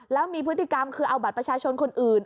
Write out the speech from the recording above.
แล้วมีพฤติกรรมคือเอาบัตรประชาชนคนอื่น